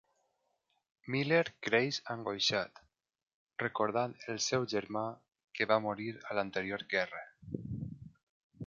Miller creix angoixat, recordant el seu germà que va morir a l'anterior guerra.